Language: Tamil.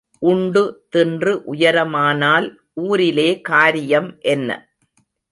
உண்டு தின்று உயரமானால் ஊரிலே காரியம் என்ன?